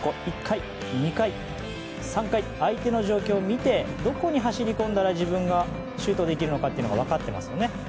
１回、２回、３回相手の状況を見てどこに走りこんだら自分がシュートできるのかが分かっていますよね。